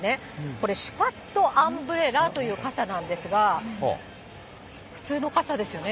これ、シュパットアンブレラという傘なんですが、普通の傘ですよね。